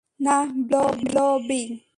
না, ব্লবি।